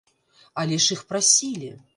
Але ж іх прасілі.